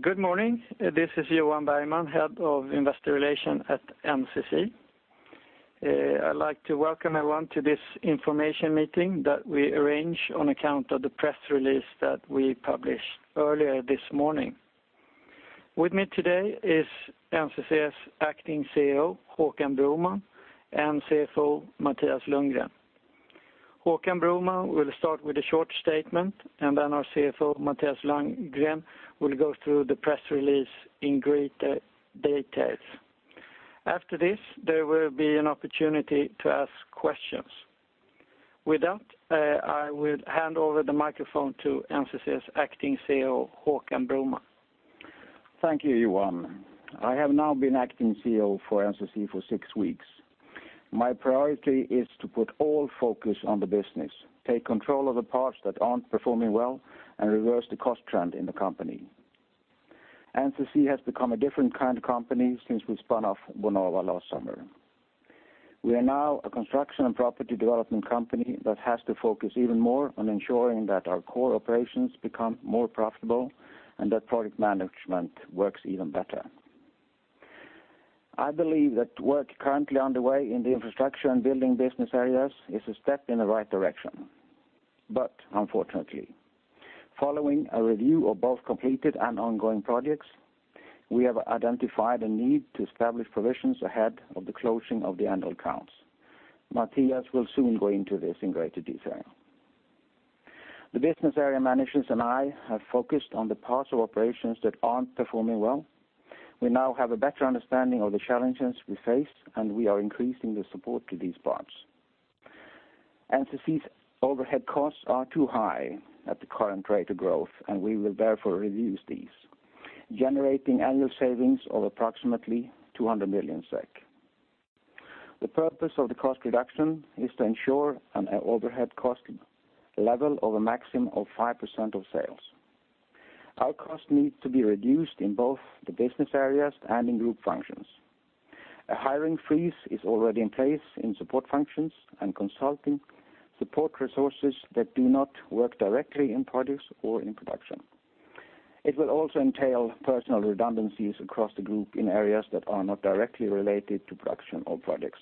Good morning. This is Johan Bergman, Head of Investor Relations at NCC. I'd like to welcome everyone to this information meeting that we arranged on account of the press release that we published earlier this morning. With me today is NCC's Acting CEO, Håkan Broman, and CFO, Mattias Lundgren. Håkan Broman will start with a short statement, and then our CFO, Mattias Lundgren, will go through the press release in greater details. After this, there will be an opportunity to ask questions. With that, I will hand over the microphone to NCC's Acting CEO, Håkan Broman. Thank you, Johan. I have now been Acting CEO of NCC for six weeks. My priority is to put all focus on the business, take control of the parts that aren't performing well, and reverse the cost trend in the company. NCC has become a different kind of company since we spun off Bonava last summer. We are now a construction and property development company that has to focus even more on ensuring that our core operations become more profitable and that product management works even better. I believe that work currently underway in the infrastructure and building business areas is a step in the right direction. But unfortunately, following a review of both completed and ongoing projects, we have identified a need to establish provisions ahead of the closing of the annual accounts. Mattias will soon go into this in greater detail. The business area managers and I have focused on the parts of operations that aren't performing well. We now have a better understanding of the challenges we face, and we are increasing the support to these parts. NCC's overhead costs are too high at the current rate of growth, and we will therefore reduce these, generating annual savings of approximately 200 million SEK. The purpose of the cost reduction is to ensure an overhead cost level of a maximum of 5% of sales. Our cost needs to be reduced in both the business areas and in group functions. A hiring freeze is already in place in support functions and consulting, support resources that do not work directly in projects or in production. It will also entail personnel redundancies across the group in areas that are not directly related to production or projects.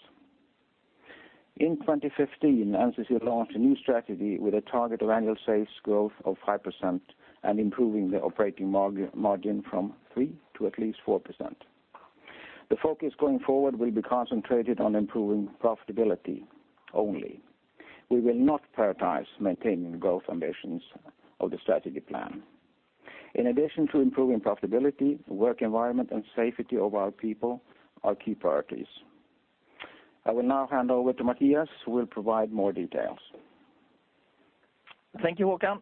In 2015, NCC launched a new strategy with a target of annual sales growth of 5% and improving the operating margin from 3% to at least 4%. The focus going forward will be concentrated on improving profitability only. We will not prioritize maintaining growth ambitions of the strategy plan. In addition to improving profitability, work environment, and safety of our people are key priorities. I will now hand over to Mattias, who will provide more details. Thank you, Håkan.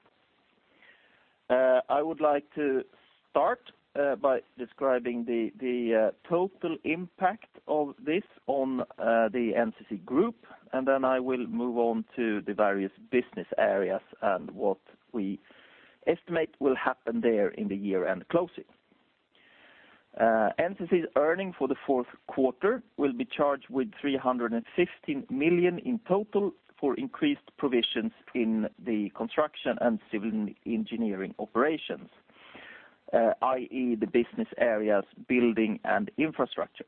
I would like to start by describing the total impact of this on the NCC Group, and then I will move on to the various business areas and what we estimate will happen there in the year-end closing. NCC's earnings for the fourth quarter will be charged with 315 million in total for increased provisions in the construction and civil engineering operations, i.e., the business areas, building and infrastructure.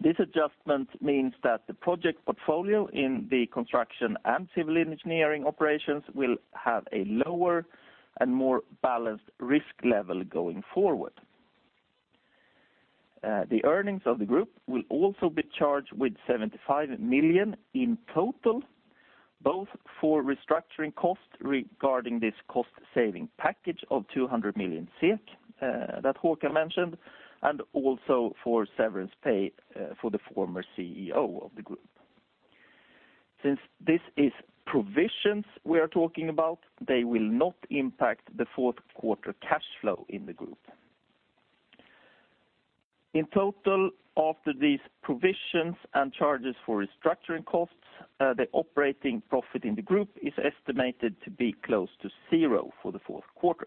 This adjustment means that the project portfolio in the construction and civil engineering operations will have a lower and more balanced risk level going forward. The earnings of the group will also be charged with 75 million in total, both for restructuring costs regarding this cost-saving package of 200 million that Håkan mentioned, and also for severance pay for the former CEO of the group. Since this is provisions we are talking about, they will not impact the fourth quarter cash flow in the group. In total, after these provisions and charges for restructuring costs, the operating profit in the group is estimated to be close to zero for the fourth quarter.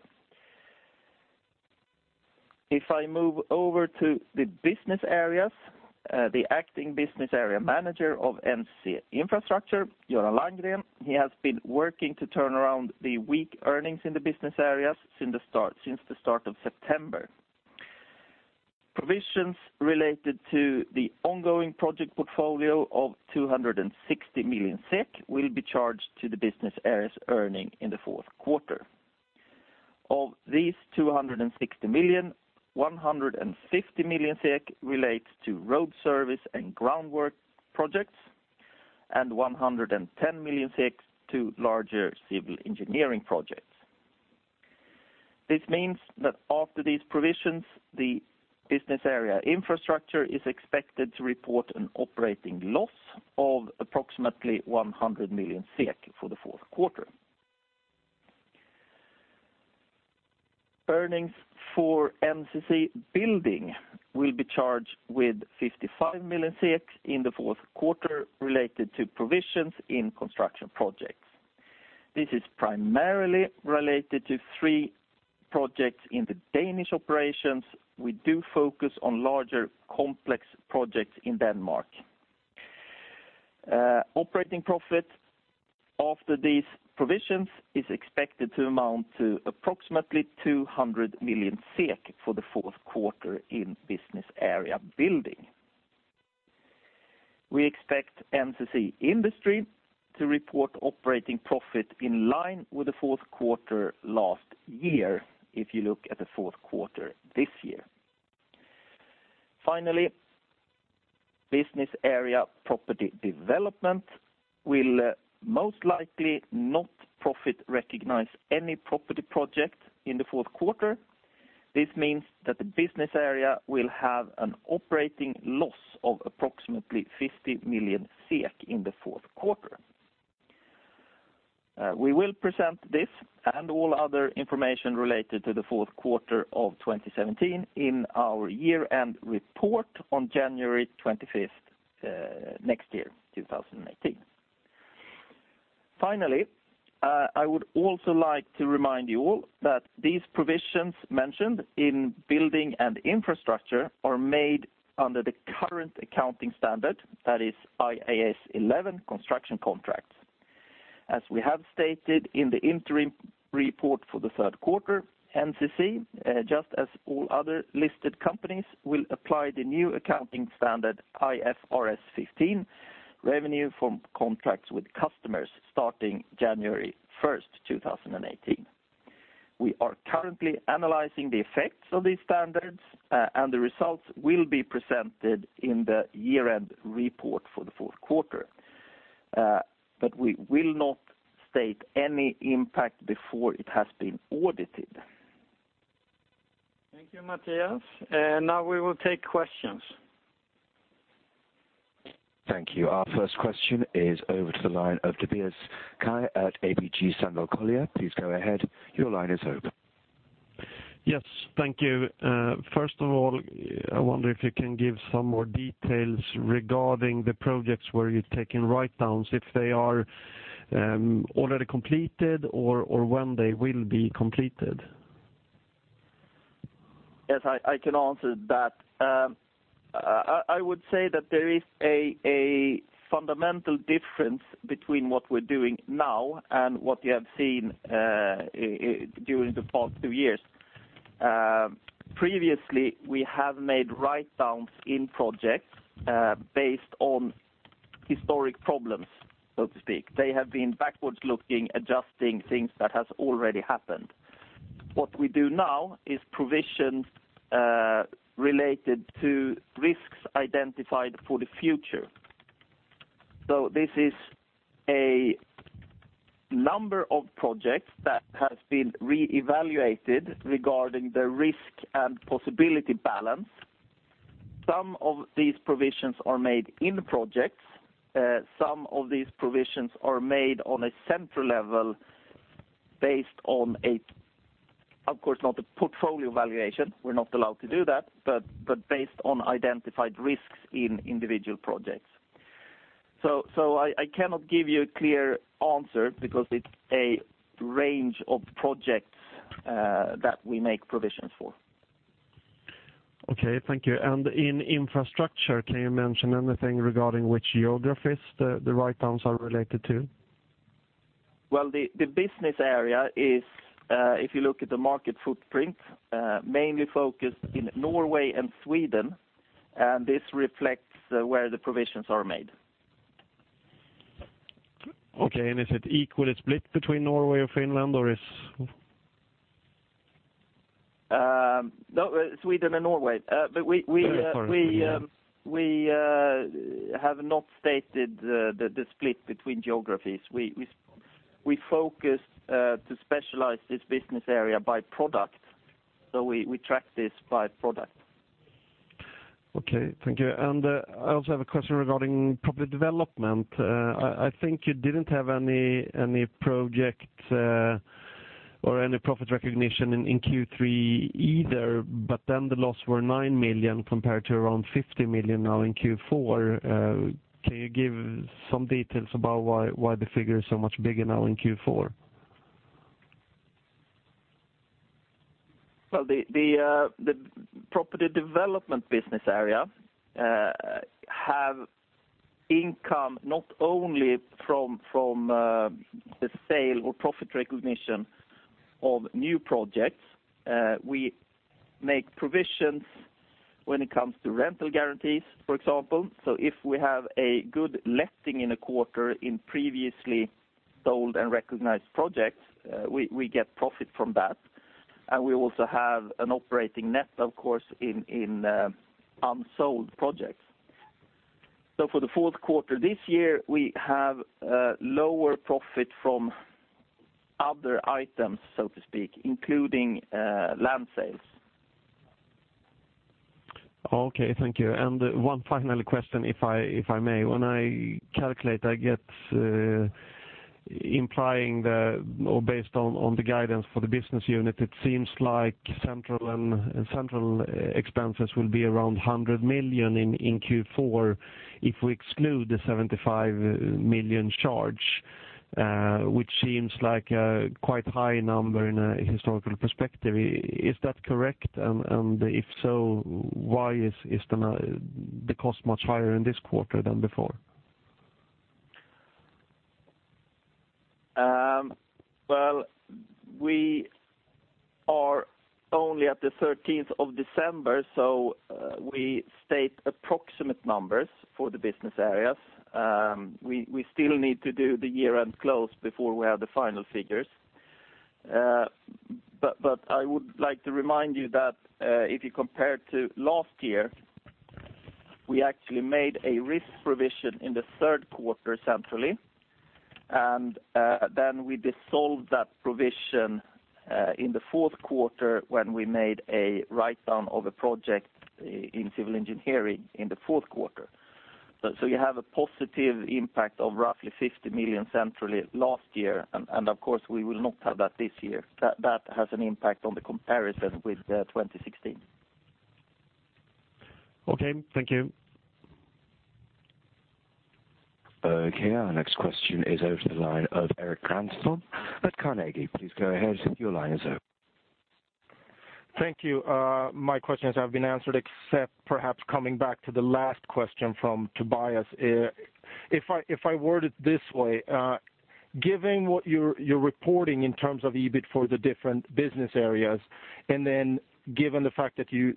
If I move over to the business areas, the Acting Business Area Manager of NCC Infrastructure, Göran Landgren, he has been working to turn around the weak earnings in the business areas since the start of September. Provisions related to the ongoing project portfolio of 260 million SEK will be charged to the business area's earnings in the fourth quarter. Of these 260 million, 150 million SEK relates to road service and groundwork projects, and 110 million SEK to larger civil engineering projects. This means that after these provisions, the business area Infrastructure is expected to report an operating loss of approximately 100 million SEK for the fourth quarter. Earnings for NCC Building will be charged with 55 million in the fourth quarter related to provisions in construction projects. This is primarily related to three projects in the Danish operations. We do focus on larger, complex projects in Denmark. Operating profit after these provisions is expected to amount to approximately 200 million SEK for the fourth quarter in business area Building. We expect NCC Industry to report operating profit in line with the fourth quarter last year, if you look at the fourth quarter this year. Finally, business area property development will most likely not profit recognize any property project in the fourth quarter. This means that the business area will have an operating loss of approximately 50 million SEK in the fourth quarter. We will present this and all other information related to the fourth quarter of 2017 in our year-end report on January 25th, next year, 2018. Finally, I would also like to remind you all that these provisions mentioned in Building and Infrastructure are made under the current accounting standard, that is IAS 11, Construction Contracts. As we have stated in the interim report for the third quarter, NCC, just as all other listed companies, will apply the new accounting standard, IFRS 15, Revenue from Contracts with Customers, starting January 1st 2018. We are currently analyzing the effects of these standards, and the results will be presented in the year-end report for the fourth quarter. But we will not state any impact before it has been audited. Thank you, Mattias. Now we will take questions. Thank you. Our first question is over to the line of Tobias Kaj at ABG Sundal Collier. Please go ahead. Your line is open. Yes, thank you. First of all, I wonder if you can give some more details regarding the projects where you're taking write-downs, if they are already completed or, or when they will be completed? Yes, I can answer that. I would say that there is a fundamental difference between what we're doing now and what you have seen during the past two years. Previously, we have made write-downs in projects based on historic problems, so to speak. They have been backwards looking, adjusting things that has already happened. What we do now is provisions related to risks identified for the future. So this is a number of projects that has been re-evaluated regarding the risk and possibility balance. Some of these provisions are made in the projects, some of these provisions are made on a central level, based on, of course, not a portfolio valuation, we're not allowed to do that, but based on identified risks in individual projects. So, I cannot give you a clear answer because it's a range of projects that we make provisions for. Okay, thank you. And in infrastructure, can you mention anything regarding which geographies the write-downs are related to? Well, the business area is, if you look at the market footprint, mainly focused in Norway and Sweden, and this reflects where the provisions are made. Okay, and is it equally split between Norway and Finland, or is...? No, Sweden and Norway. But we, we have not stated the split between geographies. We focus to specialize this business area by product, so we track this by product. Okay, thank you. I also have a question regarding Property Development. I think you didn't have any project or any profit recognition in Q3 either, but then the loss were 9 million, compared to around 50 million now in Q4. Can you give some details about why the figure is so much bigger now in Q4? Well, the Property Development business area have income not only from the sale or profit recognition of new projects. We make provisions when it comes to rental guarantees, for example. So if we have a good letting in a quarter in previously sold and recognized projects, we get profit from that. And we also have an operating net, of course, in unsold projects. So for the fourth quarter, this year, we have lower profit from other items, so to speak, including land sales. Okay, thank you. And one final question, if I, if I may. When I calculate, I get, implying the, or based on, on the guidance for the business unit, it seems like central and, and central expenses will be around 100 million in, in Q4, if we exclude the 75 million charge. Which seems like a quite high number in a historical perspective. Is that correct? And, and if so, why is, is the, the cost much higher in this quarter than before? Well, we are only at the thirteenth of December, so we state approximate numbers for the business areas. We still need to do the year-end close before we have the final figures. But I would like to remind you that if you compare to last year, we actually made a risk provision in the third quarter centrally, and then we dissolved that provision in the fourth quarter when we made a write-down of a project in civil engineering in the fourth quarter. So you have a positive impact of roughly 50 million centrally last year, and of course, we will not have that this year. That has an impact on the comparison with 2016. Okay, thank you. Okay, our next question is over to the line of Erik Granström at Carnegie. Please go ahead. Your line is open. Thank you. My questions have been answered, except perhaps coming back to the last question from Tobias. If I word it this way, given what you're reporting in terms of EBIT for the different business areas, and then given the fact that you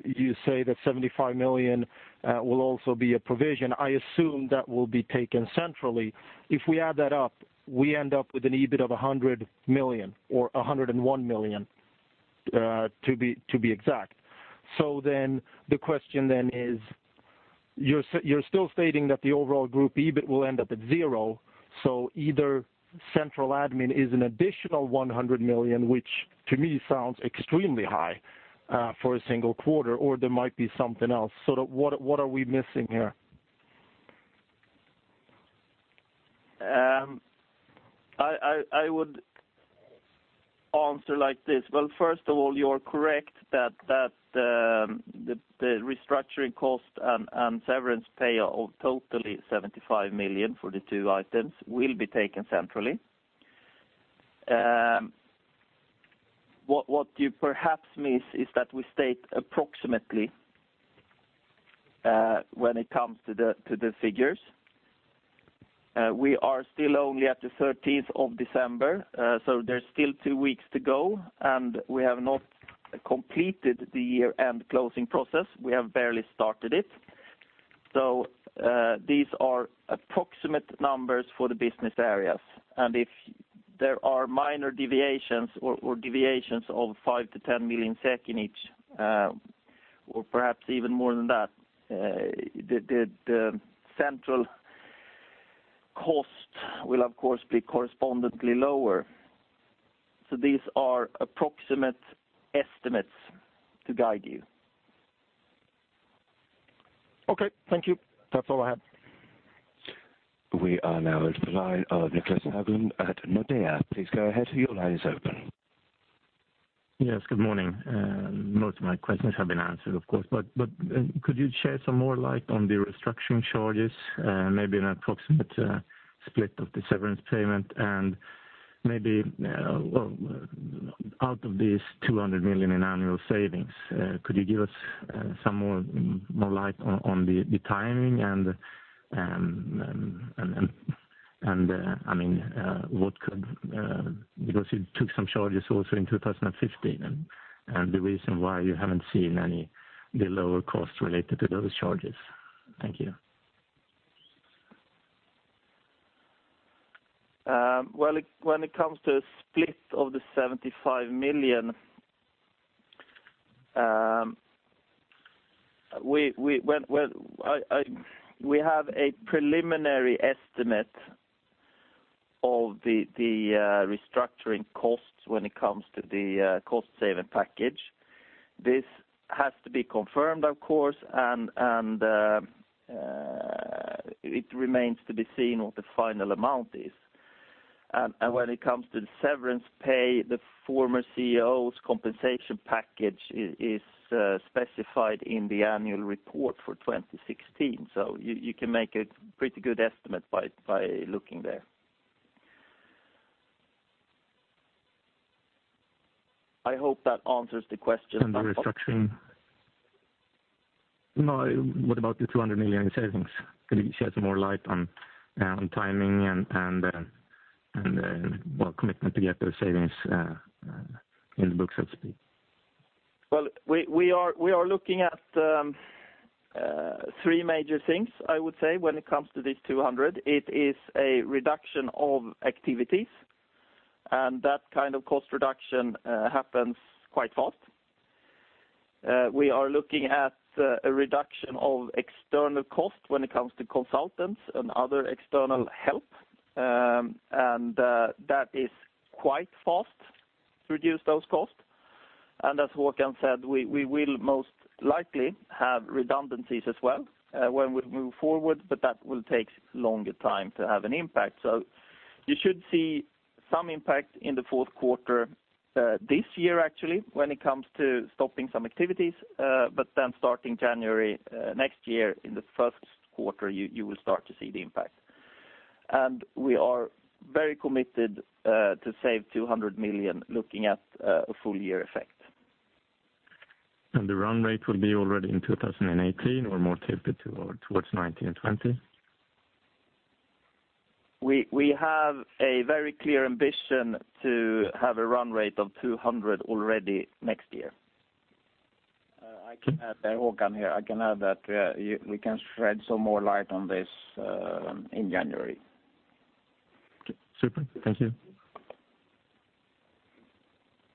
say that 75 million will also be a provision, I assume that will be taken centrally. If we add that up, we end up with an EBIT of 100 million or 101 million, to be exact. So then the question is, you're still stating that the overall group EBIT will end up at zero, so either central admin is an additional 100 million, which to me sounds extremely high for a single quarter, or there might be something else. So what are we missing here? I would answer like this. Well, first of all, you're correct that the restructuring cost and severance pay of totally 75 million for the two items will be taken centrally. What you perhaps miss is that we state approximately when it comes to the figures. We are still only at the 13th of December, so there's still two weeks to go, and we have not completed the year-end closing process. We have barely started it. So these are approximate numbers for the business areas, and if there are minor deviations or deviations of 5-10 million SEK in each, or perhaps even more than that, the central cost will, of course, be correspondingly lower. So these are approximate estimates to guide you. Okay, thank you. That's all I have. We are now on the line of Niclas Höglund at Nordea. Please go ahead, your line is open. Yes, good morning. Most of my questions have been answered, of course, but could you shed some more light on the restructuring charges? Maybe an approximate split of the severance payment, and maybe, well, out of these 200 million in annual savings, could you give us some more light on the timing and, I mean, what could... Because you took some charges also in 2015, and the reason why you haven't seen any, the lower costs related to those charges. Thank you. Well, when it comes to a split of the 75 million, we have a preliminary estimate of the restructuring costs when it comes to the cost-saving package. This has to be confirmed, of course, and it remains to be seen what the final amount is. When it comes to the severance pay, the former CEO's compensation package is specified in the annual report for 2016. So you can make a pretty good estimate by looking there. I hope that answers the question. And the restructuring? No, what about the 200 million in savings? Can you shed some more light on timing and well, commitment to get those savings in the books, so to speak? Well, we are looking at three major things, I would say, when it comes to this 200. It is a reduction of activities, and that kind of cost reduction happens quite fast. We are looking at a reduction of external costs when it comes to consultants and other external help, and that is quite fast to reduce those costs. And as Håkan said, we will most likely have redundancies as well when we move forward, but that will take longer time to have an impact. So you should see some impact in the fourth quarter this year, actually, when it comes to stopping some activities, but then starting January next year, in the first quarter, you will start to see the impact. We are very committed to save 200 million, looking at a full year effect. The run rate will be already in 2018 or more tapered to towards 2019 and 2020? We have a very clear ambition to have a run rate of 200 already next year. I can add, Håkan here. I can add that we can shed some more light on this in January. Super. Thank you.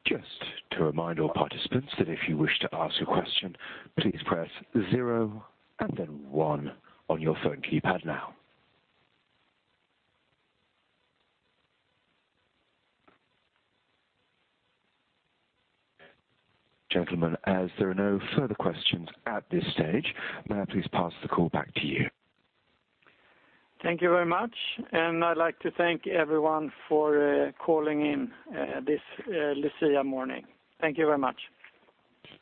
Just to remind all participants that if you wish to ask a question, please press zero and then one on your phone keypad now. Gentlemen, as there are no further questions at this stage, may I please pass the call back to you? Thank you very much, and I'd like to thank everyone for calling in this Lucia morning. Thank you very much.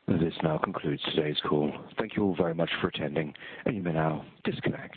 This now concludes today's call. Thank you all very much for attending, and you may now disconnect.